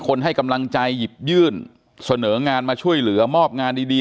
ให้กำลังใจหยิบยื่นเสนองานมาช่วยเหลือมอบงานดีดี